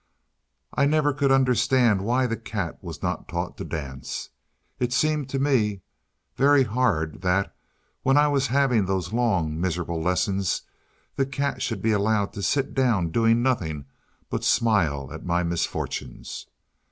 I never could understand why the cat was not taught to dance. It seemed to me very hard that, when I was having those long, miserable lessons, the cat should be allowed to sit down doing nothing but smile at my misfortunes.